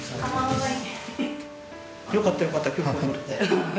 よかったよかった今日も来れて。